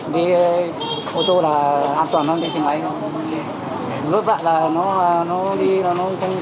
vì ô tô là an toàn hơn cái xe máy rớt vạc là nó đi nó không có bị ngưa